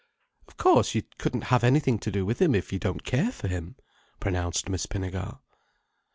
"Of course you couldn't have anything to do with him if you don't care for him," pronounced Miss Pinnegar.